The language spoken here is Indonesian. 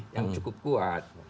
yang cukup kuat